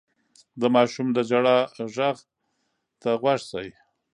د ماشوم د ژړا غږ ته غوږ شئ.